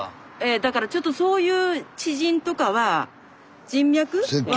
だからちょっとそういう知人とかは人脈は。